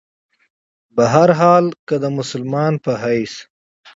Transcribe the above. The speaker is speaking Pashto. بهرحال کۀ د مسلمان پۀ حېث